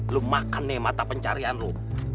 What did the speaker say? lu makan nih mata pencarian lu